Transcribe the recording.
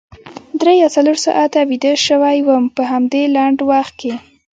درې یا څلور ساعته ویده شوې وم په همدې لنډ وخت کې.